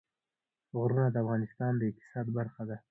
غرونه د افغانستان د اقتصاد برخه ده.